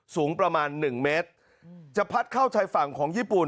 สูงประมาณหนึ่งเมตรจะพัดเข้าชายฝั่งของญี่ปุ่น